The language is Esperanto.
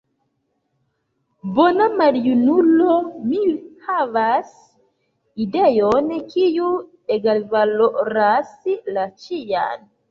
«Bona maljunulo», mi havas ideon, kiu egalvaloras la cian.